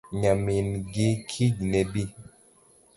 Nyamingi kiny nebii